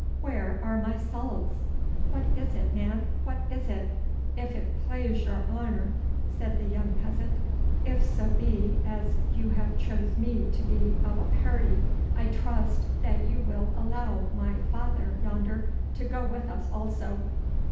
Where are my salts? What is it, man, what is it?' 'If it plaize your han'r,' said the young peasant, 'if so be as you have chose me to be of a pairty, I trust that you will allow my vaither yander to go with us also.